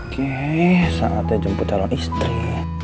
kie saatnya jemput calon istri